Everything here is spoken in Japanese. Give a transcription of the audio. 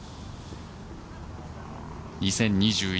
２０２１